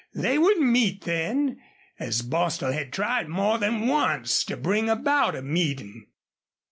They would meet then, as Bostil had tried more than once to bring about a meeting.